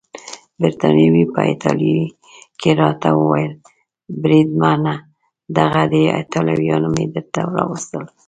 بریتانوي په ایټالوي کې راته وویل: بریدمنه دغه دي ایټالویان مې درته راوستل.